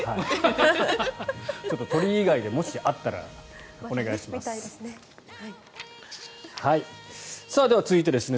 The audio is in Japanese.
ちょっと鳥以外でもしあったら、お願いします。